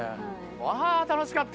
わ楽しかった！